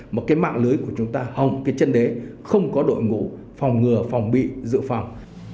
một cái mạng lưới của chúng ta hồng cái chân đế không có đội ngũ phòng ngừa phòng bị dự phòng